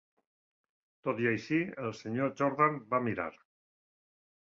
Tot i així el Sr. Jordan va mirar.